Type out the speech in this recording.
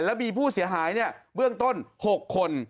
แล้วมีผู้เสียหายเบื้องต้น๖คน